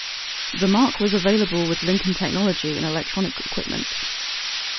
The Mark was available with Lincoln technology and electronic equipment.